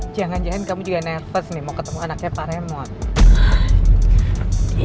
jangan jangan kamu juga nepet nih mau ketemu anaknya pak remote